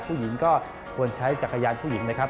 ผู้หญิงก็ควรใช้จักรยานผู้หญิงนะครับ